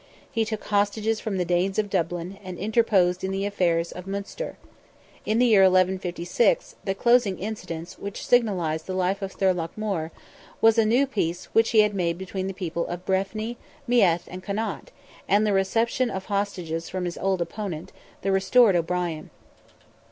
He took hostages from the Danes of Dublin, and interposed in the affairs of Munster. In the year 1156, the closing incidents which signalized the life of Thorlogh More, was a new peace which he made between the people of Breffni, Meath, and Connaught, and the reception of hostages from his old opponent, the restored O'Brien.